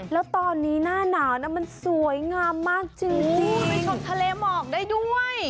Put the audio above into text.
แล้วตอนนี้หน้าหนาวนะมันสวยงามมากจริงของทะเลหมอกได้ด้วย